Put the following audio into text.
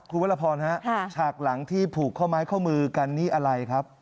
คุณวรพรฮะฉากหลังที่ผูกข้อไม้ข้อมือกันนี่อะไรครับ